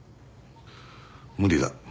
無理だ。